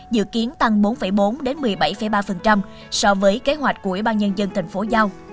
dự kiến tăng bốn bốn một mươi bảy ba so với kế hoạch của ủy ban nhân dân thành phố giao